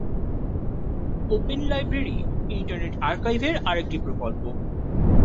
Open library internet আর্কাইভের আর একটি প্রকল্প।